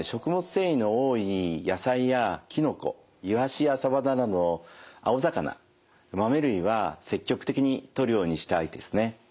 繊維の多い野菜やきのこイワシやサバなどの青魚豆類は積極的にとるようにしたいですね。